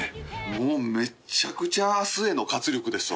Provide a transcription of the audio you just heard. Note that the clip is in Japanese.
もうめちゃくちゃあすへの活力ですわ。